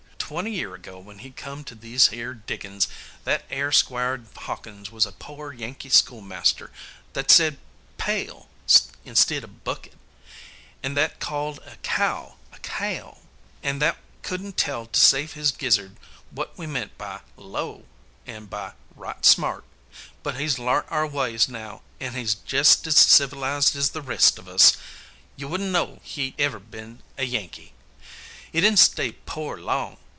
Twenty year ago, when he come to these 'ere diggin's, that air Squire Hawkins was a poar Yankee school master, that said 'pail' instid of bucket, and that called a cow a 'caow,' and that couldn't tell to save his gizzard what we meant by 'low and by right smart. But he's larnt our ways now, an' he's jest as civilized as the rest of us. You would n know he'd ever been a Yankee. He didn't stay poar long.